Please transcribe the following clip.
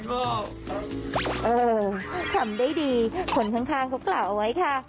เออทำได้ดีคนข้างเขากล่าวเอาไว้ค่ะ